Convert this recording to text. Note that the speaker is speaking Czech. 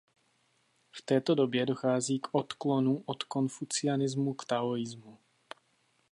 V této době dochází k odklonu od konfucianismu k taoismu.